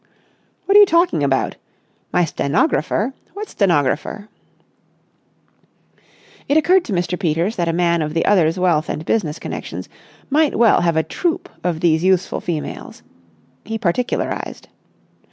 "What are you talking about? My stenographer? What stenographer?" It occurred to Mr. Peters that a man of the other's wealth and business connections might well have a troupe of these useful females. He particularised.